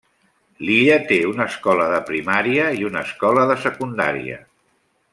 L'illa té una escola de primària i una escola de secundària.